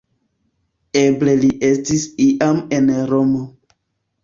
Eble li estis iam en Romo.